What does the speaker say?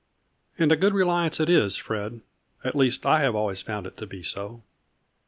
And a good reliance it is, Fred, at least I have always found it to be so."